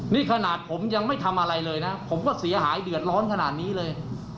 นี่ขนาดผมยังไม่ทำอะไรเลยนะผมก็เสียหายเดือดร้อนขนาดนี้เลย